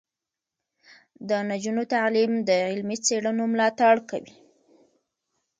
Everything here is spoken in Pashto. د نجونو تعلیم د علمي څیړنو ملاتړ کوي.